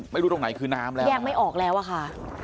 ตรงไหนคือน้ำแล้วแยกไม่ออกแล้วอะค่ะ